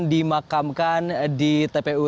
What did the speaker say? dimakamkan di tpu